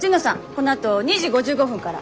このあと２時５５分から。